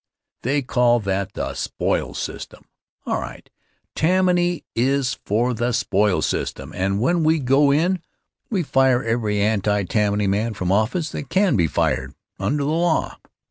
They call that the spoils system. All right; Tammany is for the spoils system, and when we go in we fire every anti Tammany man from office that can be fired under the law.